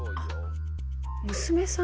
娘さん？